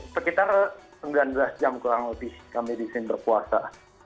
sekitar sembilan belas jam kurang lebih kami desain berpuasa